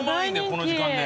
この時間で。